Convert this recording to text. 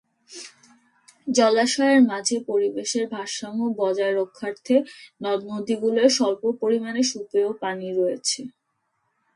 জলাশয়ের মাঝে পরিবেশের ভারসাম্য বজায় রক্ষার্থে নদ-নদীগুলোয় স্বল্প পরিমাণে সুপেয় পানি রয়েছে।